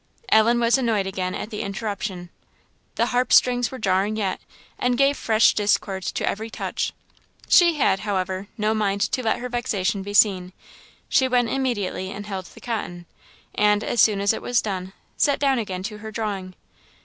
Ellen was annoyed again at the interruption; the harpstrings were jarring yet, and gave fresh discord to every touch. She had, however, no mind to let her vexation be seen; she went immediately and held the cotton, and, as soon as it was done, set down again to her drawing.